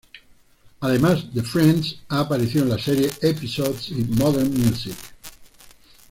Además de "Friends", ha aparecido en las series "Episodes" y "Modern Music".